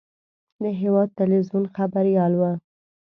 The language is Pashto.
د هېواد تلویزیون خبریال و.